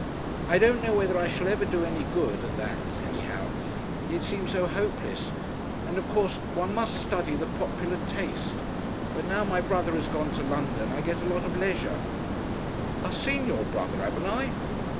I don't know whether I shall ever do any good at that anyhow. It seems so hopeless. And, of course, one must study the popular taste. But, now my brother has gone to London, I get a lot of leisure." "I seen your brother, 'aven't I?"